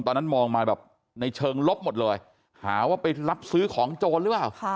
ตอนนั้นมองมาแบบในเชิงลบหมดเลยหาว่าไปรับซื้อของโจรหรือเปล่า